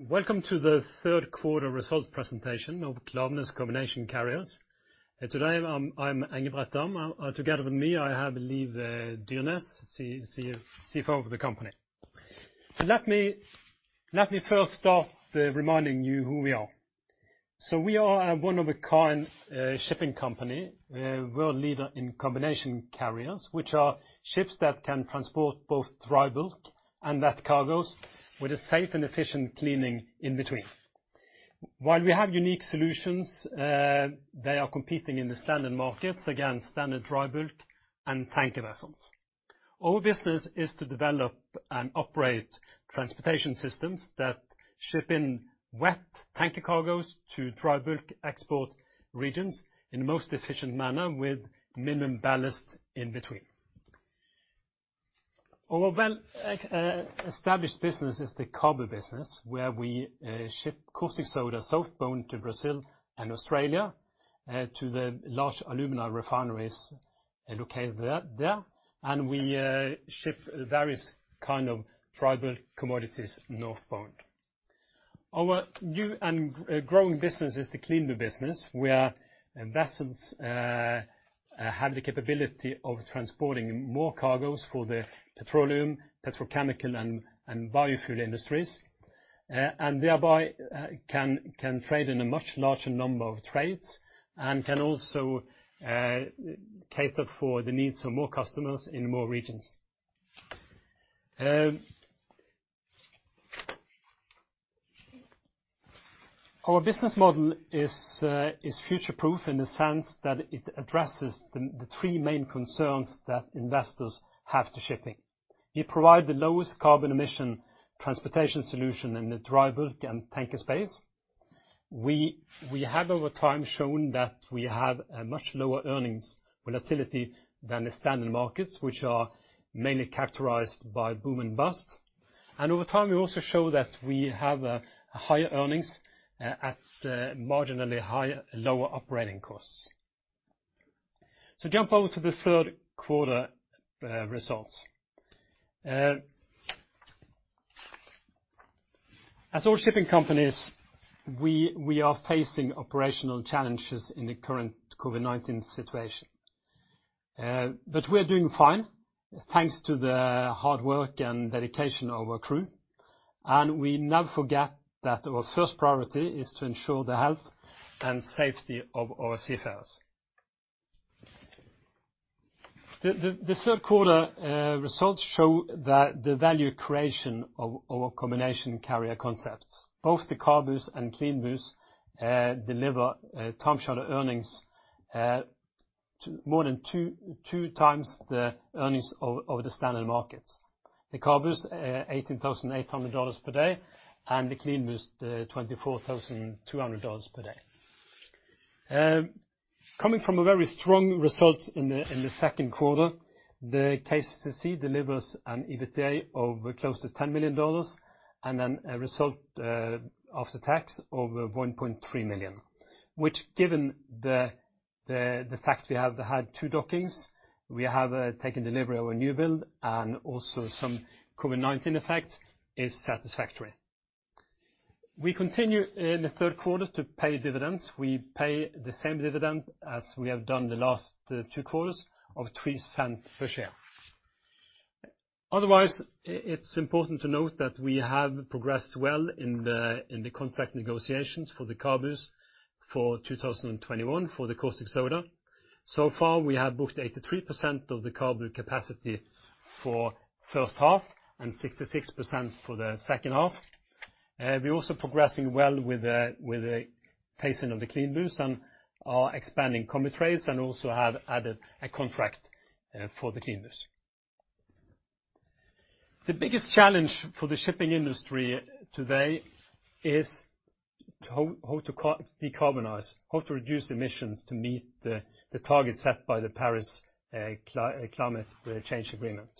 Welcome to the third quarter results presentation of Klaveness Combination Carriers. Today, I'm Engebret Dahm. Together with me, I have Liv Dyrnes, CFO of the company. Let me first start by reminding you who we are. We are a one-of-a-kind shipping company, world leader in combination carriers, which are ships that can transport both dry bulk and wet cargoes with a safe and efficient cleaning in between. While we have unique solutions, they are competing in the standard markets against standard dry bulk and tanker vessels. Our business is to develop and operate transportation systems that ship in wet tanker cargoes to dry bulk export regions in the most efficient manner with minimum ballast in between. Our well-established business is the CABU business, where we ship caustic soda southbound to Brazil and Australia to the large alumina refineries located there, and we ship various kind of dry bulk commodities northbound. Our new and growing business is the CLEANBU business, where vessels have the capability of transporting more cargoes for the petroleum, petrochemical, and biofuel industries, and thereby can trade in a much larger number of trades and can also cater for the needs of more customers in more regions. Our business model is future-proof in the sense that it addresses the three main concerns that investors have to shipping. We provide the lowest carbon emission transportation solution in the dry bulk and tanker space. We have, over time, shown that we have a much lower earnings volatility than the standard markets, which are mainly characterized by boom and bust. Over time, we also show that we have higher earnings at marginally lower operating costs. Jump over to the third quarter results. As all shipping companies, we are facing operational challenges in the current COVID-19 situation. We are doing fine, thanks to the hard work and dedication of our crew. We never forget that our first priority is to ensure the health and safety of our seafarers. The third quarter results show the value creation of our combination carrier concepts. Both the CABUs and CLEANBUs deliver time charter earnings more than 2x the earnings of the standard markets. The CABUs $18,800 per day, and the CLEANBUs $24,200 per day. Coming from a very strong result in the second quarter, the KCC delivers an EBITDA of close to $10 million and then a result after tax of $1.3 million, which, given the fact we have had two dockings, we have taken delivery of a new build and also some COVID-19 effect, is satisfactory. We continue in the third quarter to pay dividends. We pay the same dividend as we have done the last two quarters of $0.03 per share. Otherwise, it's important to note that we have progressed well in the contract negotiations for the CABUs for 2021 for the caustic soda. Far, we have booked 83% of the CABU capacity for first half and 66% for the second half. We are also progressing well with the phasing of the CLEANBUs and are expanding combi trades and also have added a contract for the CLEANBUs. The biggest challenge for the shipping industry today is how to decarbonize, how to reduce emissions to meet the targets set by the Paris Climate Change Agreement.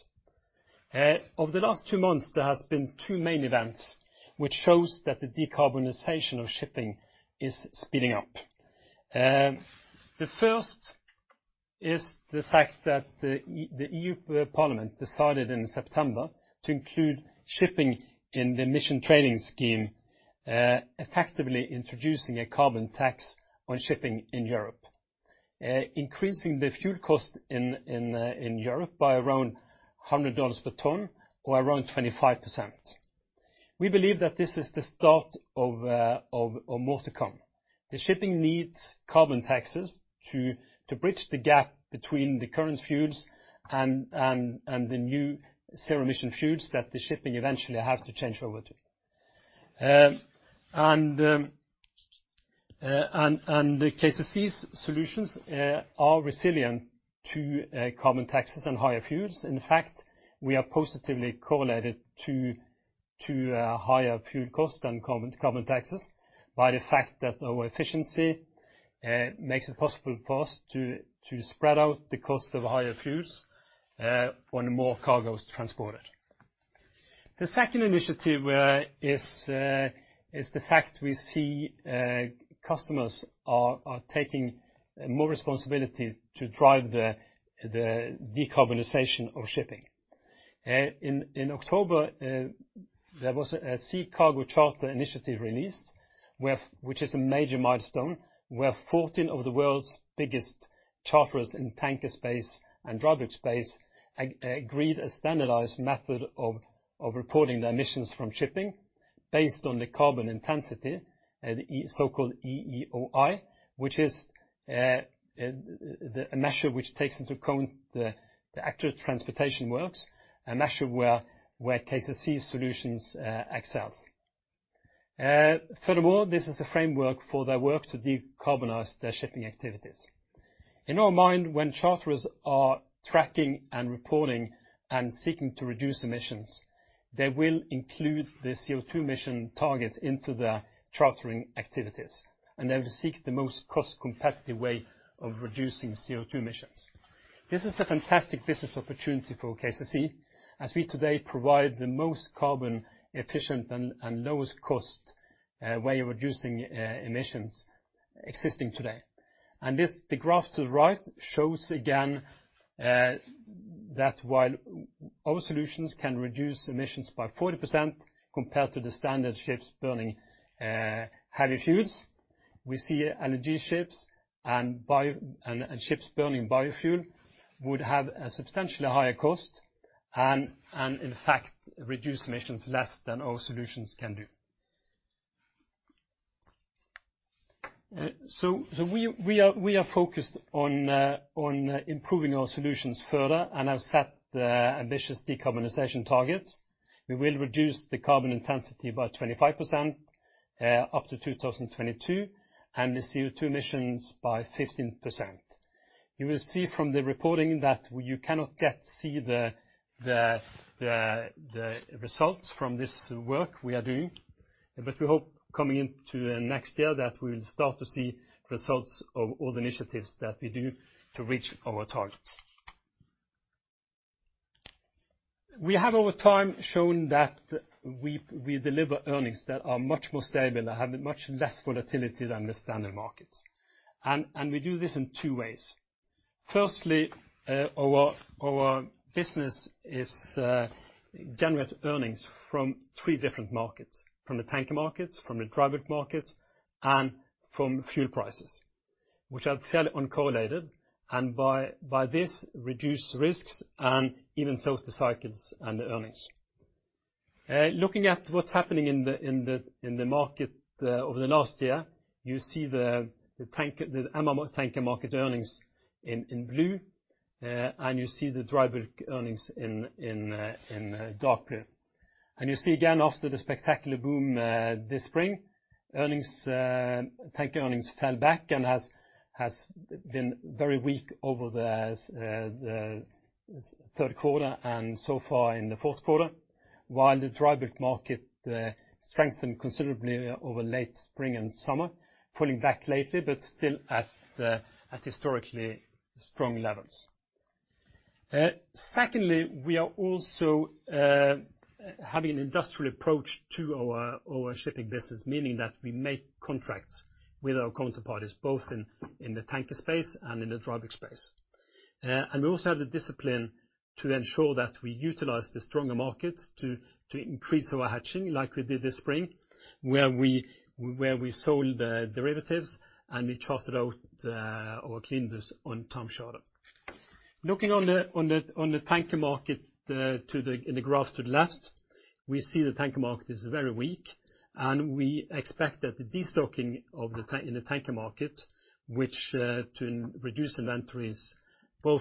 Over the last two months, there has been two main events which shows that the decarbonization of shipping is speeding up. The first is the fact that the EU Parliament decided in September to include shipping in the Emissions Trading Scheme, effectively introducing a carbon tax on shipping in Europe, increasing the fuel cost in Europe by around $100 per ton or around 25%. We believe that this is the start of more to come. The shipping needs carbon taxes to bridge the gap between the current fuels and the new zero-emission fuels that the shipping eventually have to change over to. The KCC's solutions are resilient to carbon taxes and higher fuels. In fact, we are positively correlated to higher fuel costs and carbon taxes by the fact that our efficiency makes it possible for us to spread out the cost of higher fuels when more cargo is transported. The second initiative is the fact we see customers are taking more responsibility to drive the decarbonization of shipping. In October, there was a Sea Cargo Charter initiative released, which is a major milestone, where 14 of the world's biggest charterers in tanker space and dry bulk space agreed a standardized method of reporting their emissions from shipping based on the carbon intensity, the so-called EEOI, which is a measure which takes into account the actual transportation works, a measure where KCC's solutions excels. Furthermore, this is the framework for their work to decarbonize their shipping activities. In our mind, when charterers are tracking and reporting and seeking to reduce emissions, they will include the CO2 emission targets into their chartering activities, and they will seek the most cost-competitive way of reducing CO2 emissions. This is a fantastic business opportunity for KCC, as we today provide the most carbon efficient and lowest cost way of reducing emissions existing today. The graph to the right shows again that while our solutions can reduce emissions by 40% compared to the standard ships burning heavy fuels, we see LNG ships and ships burning biofuel would have a substantially higher cost and in fact reduce emissions less than our solutions can do. We are focused on improving our solutions further and have set ambitious decarbonization targets. We will reduce the carbon intensity by 25% up to 2022, and the CO2 emissions by 15%. You will see from the reporting that you cannot yet see the results from this work we are doing, but we hope coming into next year that we will start to see results of all the initiatives that we do to reach our targets. We have over time shown that we deliver earnings that are much more stable and have much less volatility than the standard markets. We do this in two ways. Firstly, our business generates earnings from three different markets. From the tanker markets, from the dry bulk markets, and from fuel prices, which are fairly uncorrelated, and by this reduce risks and even so the cycles and earnings. Looking at what's happening in the market over the last year, you see the MR tanker market earnings in blue, and you see the dry bulk earnings in dark blue. You see again after the spectacular boom this spring, tanker earnings fell back and has been very weak over the third quarter and so far in the fourth quarter, while the dry bulk market strengthened considerably over late spring and summer, pulling back lately, but still at historically strong levels. Secondly, we are also having an industrial approach to our shipping business, meaning that we make contracts with our counterparties both in the tanker space and in the dry bulk space. We also have the discipline to ensure that we utilize the stronger markets to increase our hedging like we did this spring, where we sold derivatives and we chartered out our CLEANBUs on time charter. Looking on the tanker market in the graph to the left, we see the tanker market is very weak and we expect that the destocking in the tanker market, which to reduce inventories both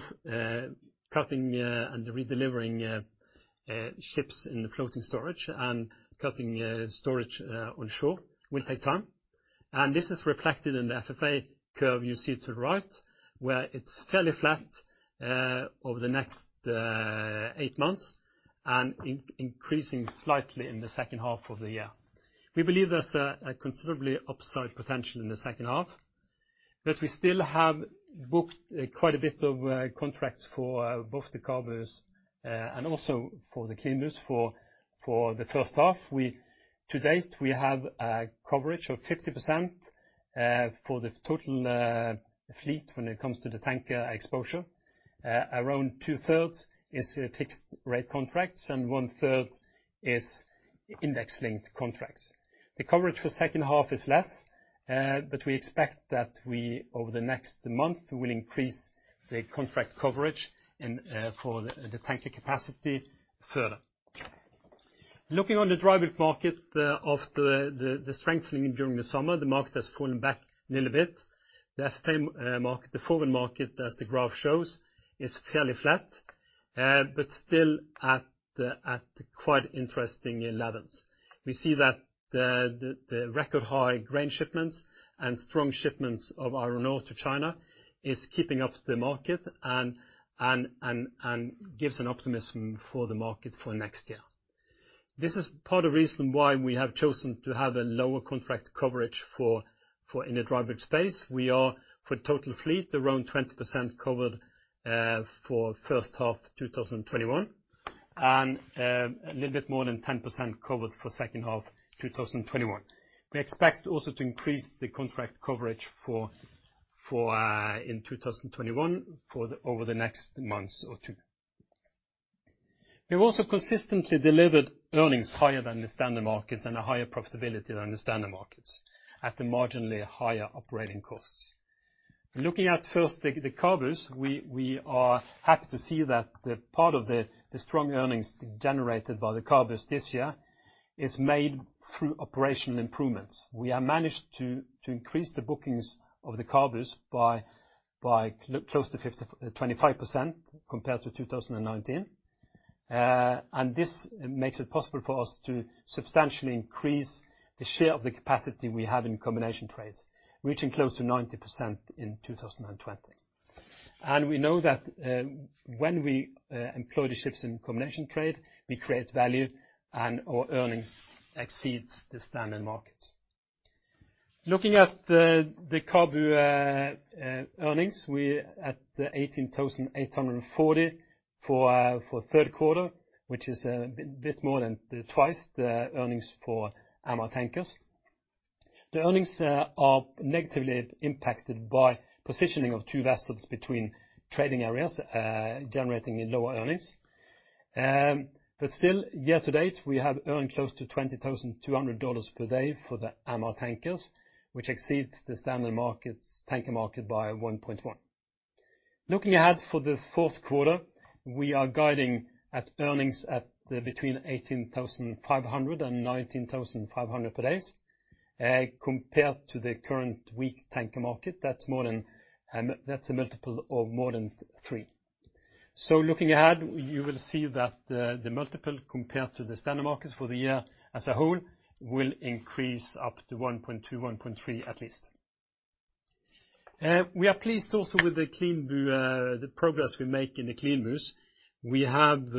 cutting and redelivering ships in the floating storage and cutting storage onshore will take time. This is reflected in the FFA curve you see to the right, where it's fairly flat over the next eight months and increasing slightly in the second half of the year. We believe there's a considerably upside potential in the second half, but we still have booked quite a bit of contracts for both the CABUs and also for the CLEANBUs for the first half. To date, we have a coverage of 50% for the total fleet when it comes to the tanker exposure. Around two-thirds is fixed rate contracts and one-third is index-linked contracts. The coverage for second half is less, but we expect that over the next month we will increase the contract coverage for the tanker capacity further. Looking on the dry bulk market, after the strengthening during the summer, the market has fallen back a little bit. The forward market, as the graph shows, is fairly flat, but still at quite interesting levels. We see that the record high grain shipments and strong shipments of iron ore to China is keeping up the market and gives an optimism for the market for next year. This is part of the reason why we have chosen to have a lower contract coverage in the dry bulk space. We are, for total fleet, around 20% covered for first half 2021 and a little bit more than 10% covered for second half 2021. We expect also to increase the contract coverage in 2021, over the next months or two. We've also consistently delivered earnings higher than the standard markets and a higher profitability than the standard markets at the marginally higher operating costs. Looking at first, the CABUs. We are happy to see that the part of the strong earnings generated by the CABUs this year is made through operational improvements. We have managed to increase the bookings of the CABUs by close to 25% compared to 2019. This makes it possible for us to substantially increase the share of the capacity we have in combination trades, reaching close to 90% in 2020. We know that when we employ the ships in combination trade, we create value, and our earnings exceeds the standard markets. Looking at the CABU earnings, we at the $18,840 for third quarter, which is a bit more than twice the earnings for MR tankers. The earnings are negatively impacted by positioning of two vessels between trading areas, generating lower earnings. Still, year to date, we have earned close to $20,200 per day for the MR tankers, which exceeds the standard tanker market by 1.1. Looking ahead for the fourth quarter, we are guiding at earnings at between $18,500 and $19,500 per days. Compared to the current weak tanker market, that's a multiple of more than three. Looking ahead, you will see that the multiple compared to the standard markets for the year as a whole will increase up to 1.2, 1.3 at least. We are pleased also with the progress we make in the CLEANBUs. We have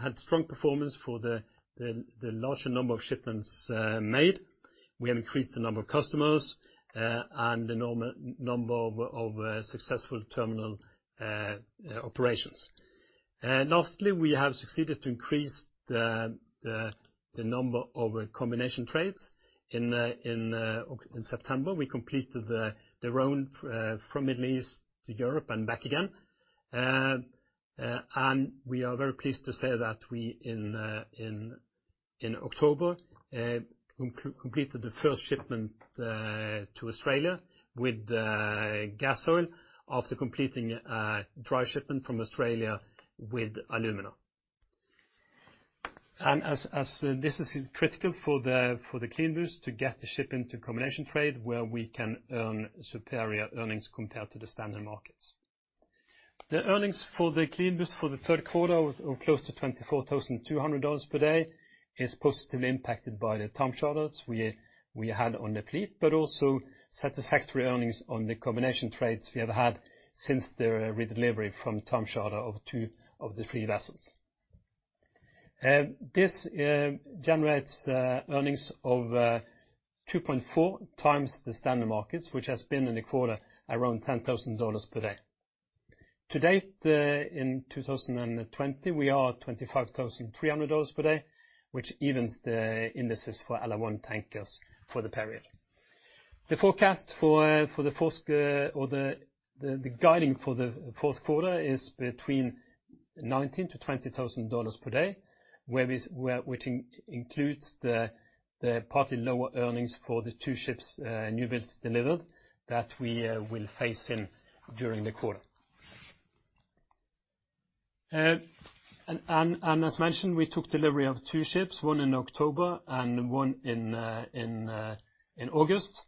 had strong performance for the larger number of shipments made. We have increased the number of customers, and the number of successful terminal operations. We have succeeded to increase the number of combination trades. In September, we completed the round from Middle East to Europe and back again. We are very pleased to say that we, in October, completed the first shipment to Australia with gas oil after completing a dry shipment from Australia with alumina. As this is critical for the CLEANBUs to get the ship into combination trade where we can earn superior earnings compared to the standard markets. The earnings for the CLEANBUs for the third quarter of close to $24,200 per day is positively impacted by the time charters we had on the fleet, but also satisfactory earnings on the combination trades we have had since the redelivery from time charter of two of the three vessels. This generates earnings of 2.4x the standard markets, which has been in the quarter around $10,000 per day. To date, in 2020, we are at $25,300 per day, which evens the indices for LR1 tankers for the period. The guiding for the fourth quarter is between $19,000-$20,000 per day, which includes the partly lower earnings for the two ships, new builds delivered that we will phase in during the quarter. As mentioned, we took delivery of two ships, one in October and one in August.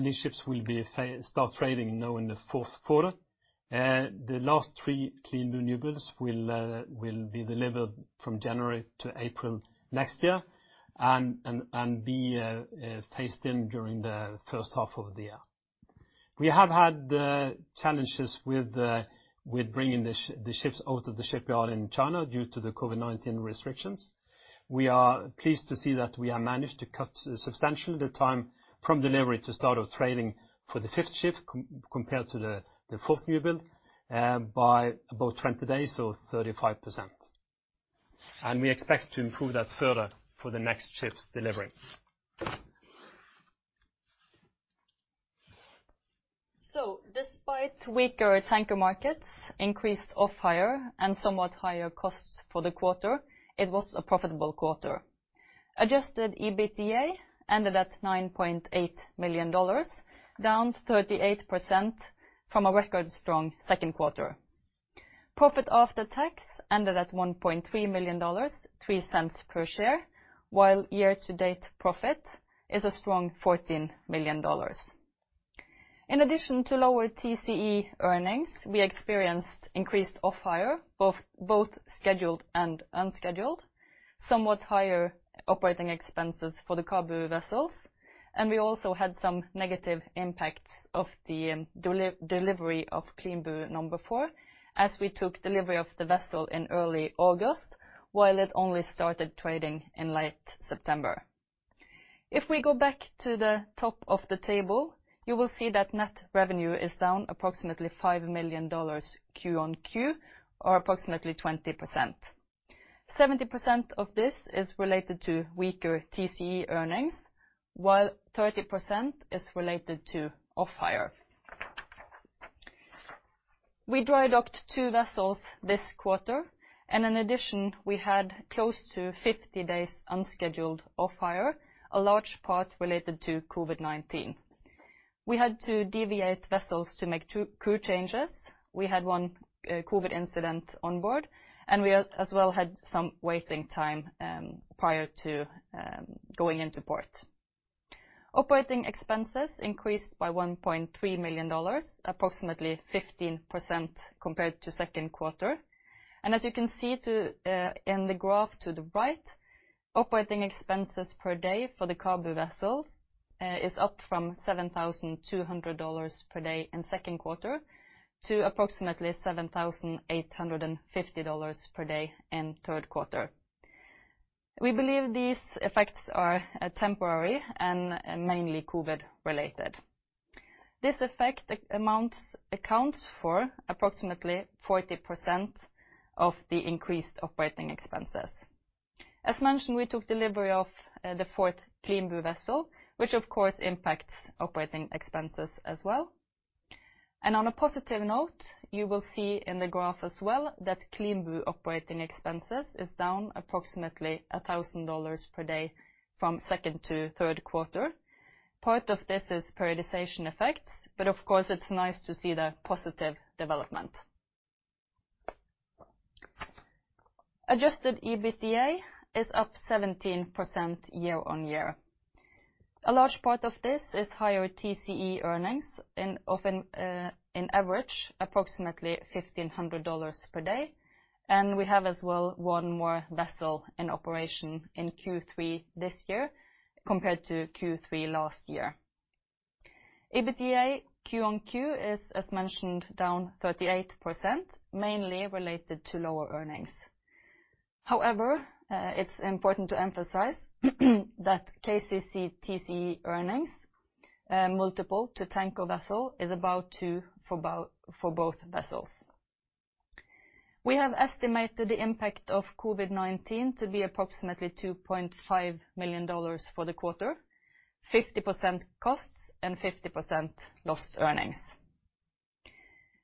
These ships will start trading now in the fourth quarter. The last three CLEANBU newbuilds will be delivered from January to April next year and be phased in during the first half of the year. We have had challenges with bringing the ships out of the shipyard in China due to the COVID-19 restrictions. We are pleased to see that we have managed to cut substantially the time from delivery to start of trading for the fifth ship compared to the fourth newbuild by about 20 days, so 35%. We expect to improve that further for the next ships delivering. Despite weaker tanker markets, increased off-hire, and somewhat higher costs for the quarter, it was a profitable quarter. Adjusted EBITDA ended at $9.8 million, down 38% from a record strong second quarter. Profit after tax ended at $1.3 million, $0.03 per share, while year to date profit is a strong $14 million. In addition to lower TCE earnings, we experienced increased off-hire, both scheduled and unscheduled, somewhat higher operating expenses for the CABU vessels, and we also had some negative impacts of the delivery of CLEANBU number four as we took delivery of the vessel in early August while it only started trading in late September. If we go back to the top of the table, you will see that net revenue is down approximately $5 million QoQ, or approximately 20%. 70% of this is related to weaker TCE earnings, while 30% is related to off-hire. We dry docked two vessels this quarter. In addition, we had close to 50 days unscheduled off-hire, a large part related to COVID-19. We had to deviate vessels to make two crew changes. We had one COVID incident on board. We as well had some waiting time prior to going into port. Operating expenses increased by $1.3 million, approximately 15% compared to second quarter. As you can see in the graph to the right, operating expenses per day for the CABU vessels is up from $7,200 per day in second quarter to approximately $7,850 per day in third quarter. We believe these effects are temporary and mainly COVID related. This effect accounts for approximately 40% of the increased operating expenses. As mentioned, we took delivery of the fourth CLEANBU vessel, which of course impacts operating expenses as well. On a positive note, you will see in the graph as well that CLEANBU operating expenses is down approximately $1,000 per day from second to third quarter. Part of this is periodization effects, but of course it's nice to see the positive development. Adjusted EBITDA is up 17% year-on-year. A large part of this is higher TCE earnings in average, approximately $1,500 per day. We have as well one more vessel in operation in Q3 this year compared to Q3 last year. EBITDA QoQ is, as mentioned, down 38%, mainly related to lower earnings. However, it's important to emphasize that KCC TCE earnings multiple to tanker vessel is about two for both vessels. We have estimated the impact of COVID-19 to be approximately $2.5 million for the quarter, 50% costs and 50% lost earnings.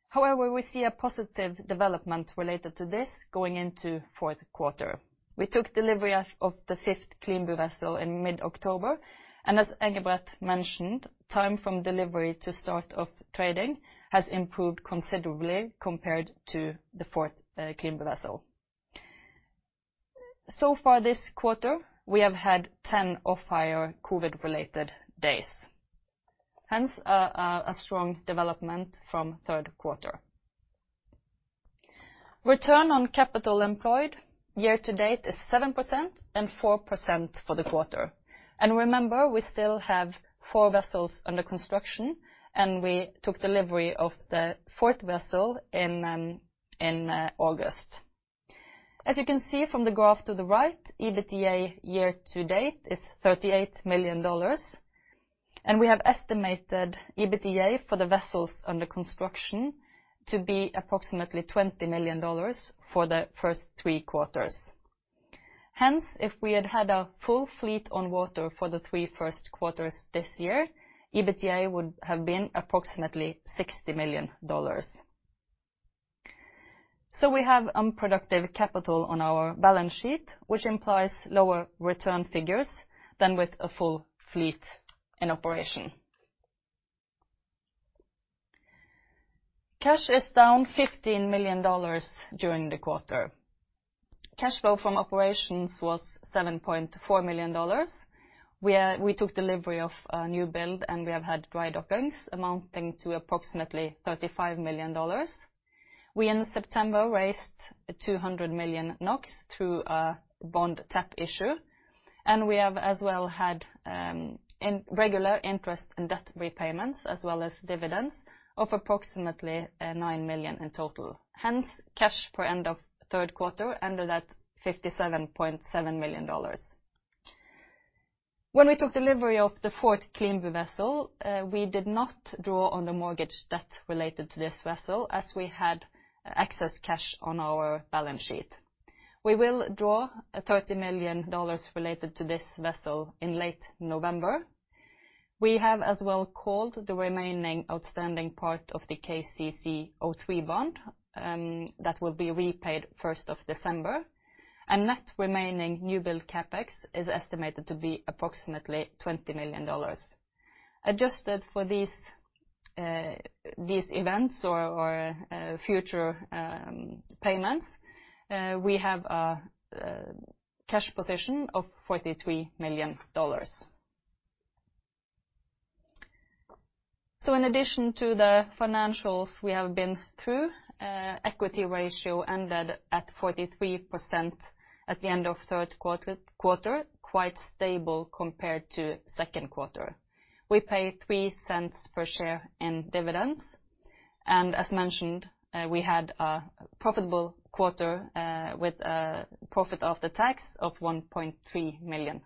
However, we see a positive development related to this going into fourth quarter. We took delivery of the fifth CLEANBU vessel in mid-October, and as Engebret mentioned, time from delivery to start of trading has improved considerably compared to the fourth CLEANBU vessel. Far this quarter, we have had 10 off-hire COVID-19 related days, hence a strong development from third quarter. Return on capital employed year to date is 7% and 4% for the quarter. Remember, we still have four vessels under construction, and we took delivery of the fourth vessel in August. As you can see from the graph to the right, EBITDA year to date is $38 million, and we have estimated EBITDA for the vessels under construction to be approximately $20 million for the first three quarters. If we had had a full fleet on water for the three first quarters this year, EBITDA would have been approximately $60 million. We have unproductive capital on our balance sheet, which implies lower return figures than with a full fleet in operation. Cash is down $15 million during the quarter. Cash flow from operations was $7.4 million, where we took delivery of a new build and we have had dry dockings amounting to approximately $35 million. We in September raised 200 million NOK through a bond tap issue, and we have as well had regular interest and debt repayments as well as dividends of approximately $9 million in total. Cash for end of third quarter ended at $57.7 million. When we took delivery of the fourth CLEANBU vessel, we did not draw on the mortgage debt related to this vessel as we had excess cash on our balance sheet. We will draw $30 million related to this vessel in late November. We have as well called the remaining outstanding part of the KCC03 bond that will be repaid December 1st, and net remaining new build CapEx is estimated to be approximately $20 million. Adjusted for these events or future payments, we have a cash position of $43 million. In addition to the financials we have been through, equity ratio ended at 43% at the end of third quarter, quite stable compared to second quarter. We pay $0.03 per share in dividends. As mentioned, we had a profitable quarter with a profit after tax of $1.3 million.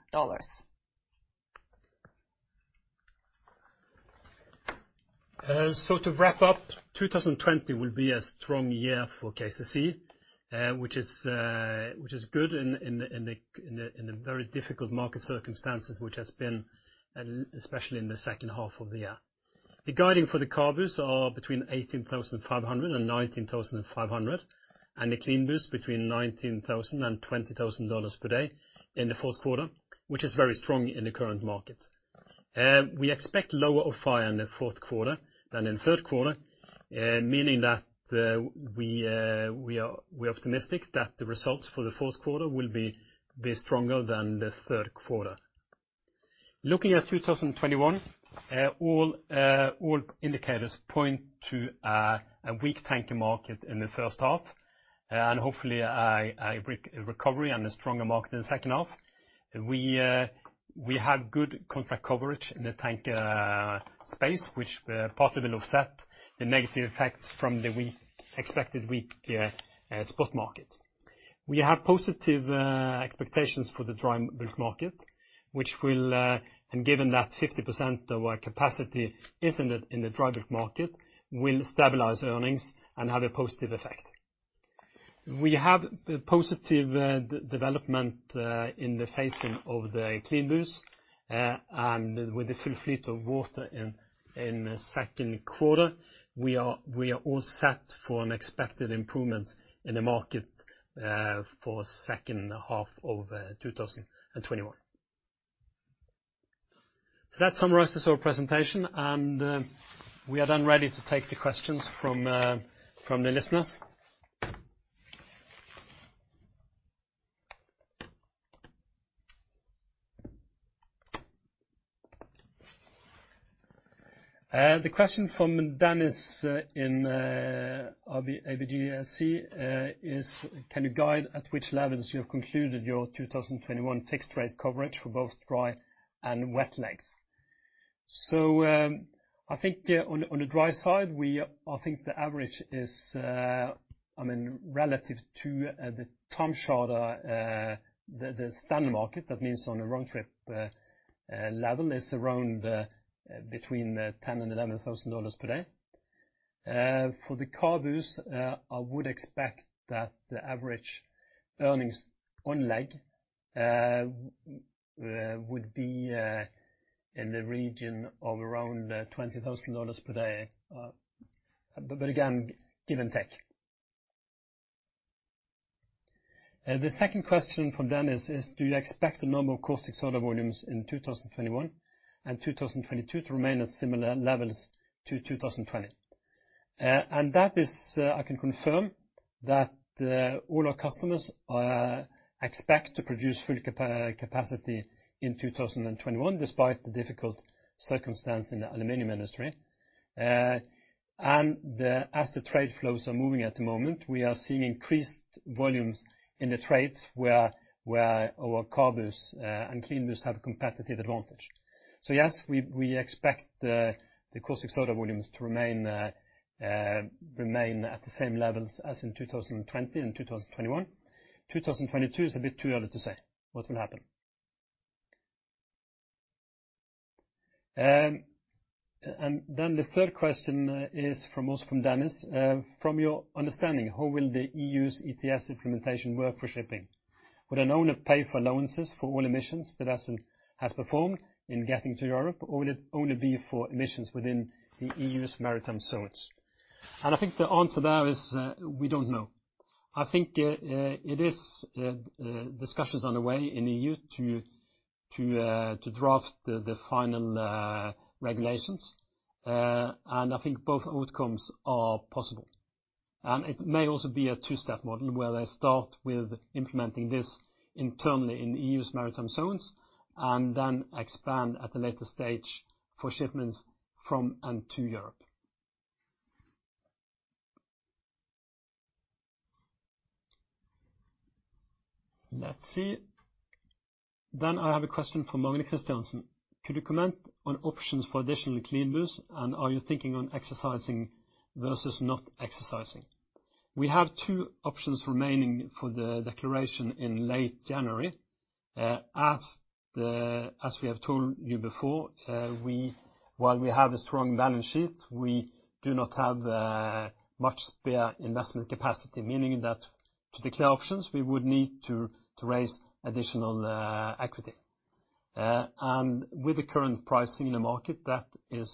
To wrap up, 2020 will be a strong year for KCC, which is good in the very difficult market circumstances which has been, especially in the second half of the year. The guiding for the CABUs are between $18,500 and $19,500, and the CLEANBUs between $19,000 and $20,000 per day in the fourth quarter, which is very strong in the current market. We expect lower off-hire in the fourth quarter than in third quarter, meaning that we are optimistic that the results for the fourth quarter will be stronger than the third quarter. Looking at 2021, all indicators point to a weak tanker market in the first half, and hopefully a recovery and a stronger market in the second half. We have good contract coverage in the tanker space, which partly will offset the negative effects from the expected weak spot market. We have positive expectations for the dry bulk market, and given that 50% of our capacity is in the dry bulk market, will stabilize earnings and have a positive effect. We have positive development in the phasing of the CLEANBUs. With the full fleet in the water in the second quarter, we are all set for an expected improvement in the market for second half of 2021. That summarizes our presentation, and we are then ready to take the questions from the listeners. The question from Dennis in ABGSC is, "Can you guide at which levels you have concluded your 2021 fixed rate coverage for both dry and wet legs?" I think on the dry side, I think the average is, relative to the time charter, the standard market, that means on a round trip level, is around between $10,000 and $11,000 per day. For the CABUs, I would expect that the average earnings on leg would be in the region of around $20,000 per day. Again, give and take. The second question from Dennis is, "Do you expect the normal caustic soda volumes in 2021 and 2022 to remain at similar levels to 2020?" That is, I can confirm that all our customers expect to produce full capacity in 2021, despite the difficult circumstance in the aluminum industry. As the trade flows are moving at the moment, we are seeing increased volumes in the trades where our CABUs and CLEANBUs have competitive advantage. Yes, we expect the caustic soda volumes to remain at the same levels as in 2020 and 2021. 2022 is a bit too early to say what will happen. The third question is also from Dennis. From your understanding, how will the EU's ETS implementation work for shipping? Would an owner pay for allowances for all emissions that has performed in getting to Europe, or will it only be for emissions within the EU's maritime zones? I think the answer there is we don't know. I think it is discussions on the way in the EU to draft the final regulations. I think both outcomes are possible. It may also be a two-step model where they start with implementing this internally in EU's maritime zones and then expand at a later stage for shipments from and to Europe. Let's see. I have a question from Magni Christiansen. "Could you comment on options for additional CLEANBUs and are you thinking on exercising versus not exercising?" We have two options remaining for the declaration in late January. As we have told you before, while we have a strong balance sheet, we do not have much spare investment capacity, meaning that to declare options, we would need to raise additional equity. With the current pricing in the market, that is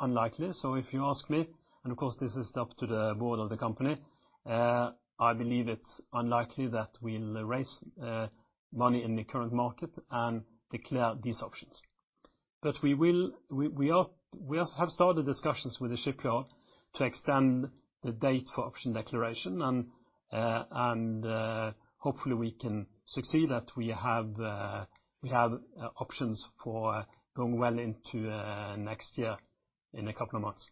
unlikely. If you ask me, and of course this is up to the board of the company, I believe it's unlikely that we'll raise money in the current market and declare these options. We have started discussions with the shipyard to extend the date for option declaration and hopefully we can succeed that we have options for going well into next year in a couple of months.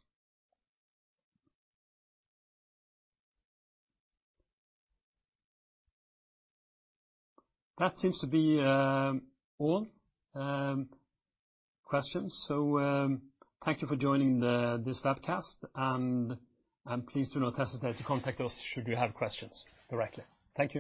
That seems to be all questions. Thank you for joining this webcast and please do not hesitate to contact us should you have questions directly. Thank you.